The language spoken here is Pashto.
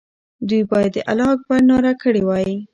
دوی باید د الله اکبر ناره کړې وای.